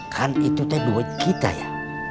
kan itu duit kita ya